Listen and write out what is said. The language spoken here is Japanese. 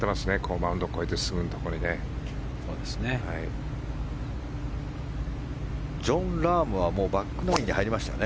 マウンドを越えてすぐのところにね。